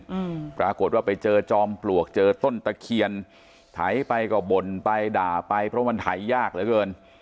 อืมปรากฏว่าไปเจอจอมปลวกเจอต้นตะเคียนไถไปก็บ่นไปด่าไปเพราะมันไถยากเหลือเกิน